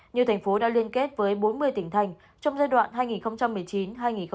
như thành phố đã liên kết với bốn mươi tỉnh thành trong giai đoạn hai nghìn một mươi chín hai nghìn hai mươi